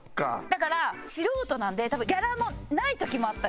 だから素人なんでギャラもない時もあったりして。